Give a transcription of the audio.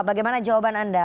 bagaimana jawaban anda